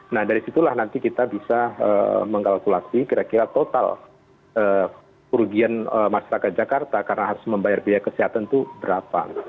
nah dari situlah nanti kita bisa mengkalkulasi kira kira total kerugian masyarakat jakarta karena harus membayar biaya kesehatan itu berapa